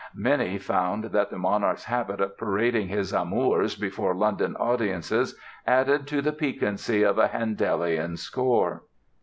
Many found that the monarch's habit of parading his amours before London audiences added to the piquancy of a Handelian score!